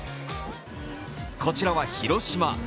こちらは広島。